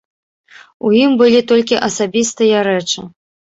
У ім былі толькі асабістыя рэчы.